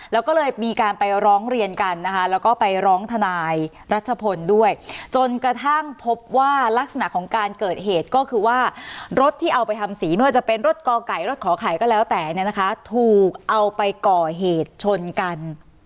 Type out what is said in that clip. แล้วก็เลยมีการไปร้องเรียนกันนะคะแล้วก็ไปร้องทนายรัชพลด้วยจนกระทั่งพบว่ารักษณะของการเกิดเหตุก็คือว่ารถที่เอาไปทำสีไม่ว่าจะเป็นรถกอไก่รถขอไข่ก็แล้วแต่เนี่ยนะคะถูกเอาไปก่อเหตุชนกัน